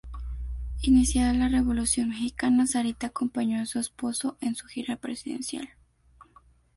Iniciada la Revolución mexicana, Sarita acompañó a su esposo en su gira presidencial.